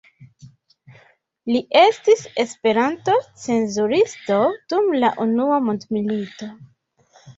Li estis Esperanto-cenzuristo dum la unua mondmilito.